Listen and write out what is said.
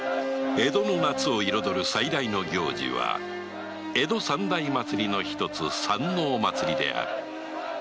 江戸の夏を彩る最大の行事は江戸三大祭の一つ山王祭である